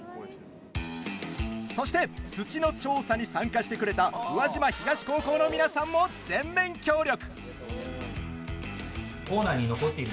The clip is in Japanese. そして土の調査に参加してくれた宇和島東高校の皆さんも全面協力。